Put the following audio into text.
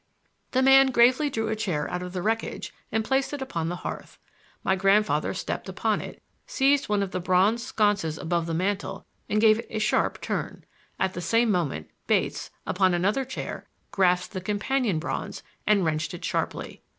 The man gravely drew a chair out of the wreckage and placed it upon the hearth. My grandfather stepped upon it, seized one of the bronze sconces above the mantel and gave it a sharp turn. At the same moment, Bates, upon another chair, grasped the companion bronze and wrenched it sharply.